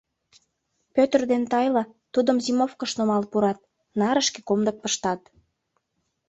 Пӧтыр ден Тайла тудым зимовкыш нумал пурат, нарышке комдык пыштат.